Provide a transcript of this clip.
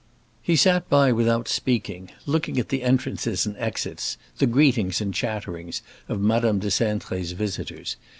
He sat by without speaking, looking at the entrances and exits, the greetings and chatterings, of Madame de Cintré's visitors.